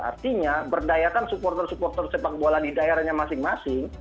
artinya berdayakan supporter supporter sepakbola di daerahnya masing masing